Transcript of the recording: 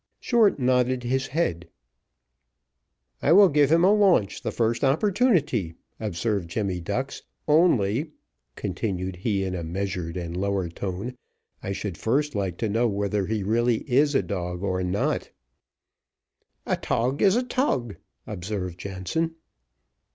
Short nodded his head. "I will give him a launch the first opportunity," observed Jemmy Ducks, "only " (continued he in a measured and lower tone) "I should first like to know whether he really is a dog or not." "A tog is a tog," observed Jansen.